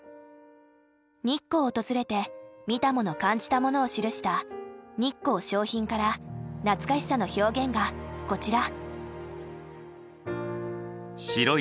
日光を訪れて見たもの感じたものを記した「日光小品」から懐かしさの表現がこちら。